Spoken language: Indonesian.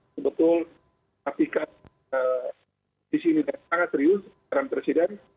sebetul hatikan di sini sangat serius dalam presiden